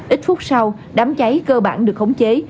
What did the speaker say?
ít phút sau đám cháy cơ bản được khống chế